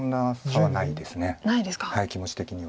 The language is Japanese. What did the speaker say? はい気持ち的には。